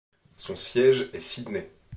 Son siège est Sidney.